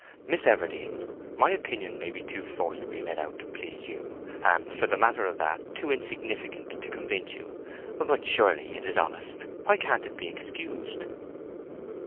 Miss Everdene, my opinion may be too forcibly let out to please you, and, for the matter of that, too insignificant to convince you, but surely it is honest, and why can't it be excused?"